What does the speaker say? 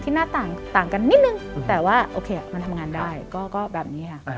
ที่หน้าต่างต่างกันนิดนึงแต่ว่ามันทำงานได้